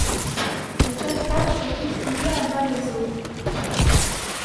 Les quatre femmes sont toutes liées à Malaiseau.